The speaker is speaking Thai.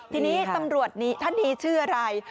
ทีนี้ตำรวจท่านนี้ชื่ออะไร